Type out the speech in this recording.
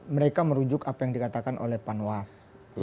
mereka merujuk apa yang dikatakan oleh panwas